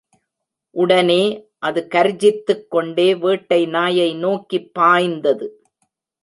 உடனே, அது கர்ஜித்துக் கொண்டே வேட்டை நாயை நோக்கிப் பாய்ந்தது.